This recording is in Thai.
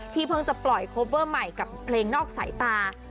เพิ่งจะปล่อยโคเวอร์ใหม่กับเพลงนอกสายตา